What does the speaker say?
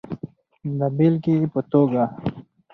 د بېلګې په توګه